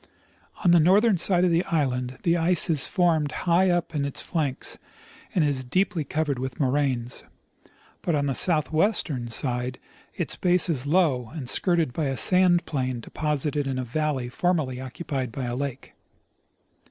On the north ern side of the island the ice is forced high up on its flanks, and is deeply covered with moraines ; but on the southwestern side its base is low and skirted by a sand plain deposited in a valley formerly occupied by a lake.